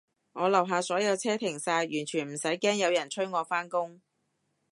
我樓下所有車停晒，完全唔使驚有人催我返工